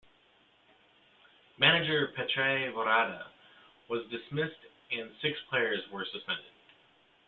Manager Petr Rada was dismissed and six players were suspended.